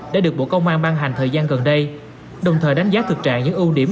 đã được bộ công an ban hành thời gian gần đây đồng thời đánh giá thực trạng những ưu điểm